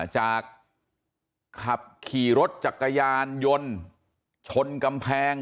ขับขี่รถจักรยานยนต์ชนกำแพง